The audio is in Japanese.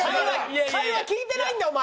会話聞いてないんだお前！